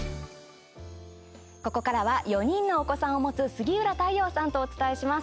ここからは４人のお子さんを持つ杉浦太陽さんとお伝えします。